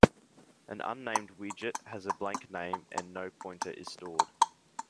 An unnamed widget has a blank name and no pointer is stored.